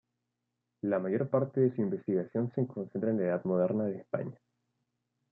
La mayor parte de su investigación se concentra en la Edad Moderna en España.